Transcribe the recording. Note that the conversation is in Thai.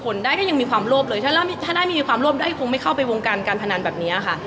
ได้ก็ยังมีความรวบเลยถ้าได้ไม่มีความรวบได้คงไม่เข้าไปวงการการพนันแบบนี้ค่ะ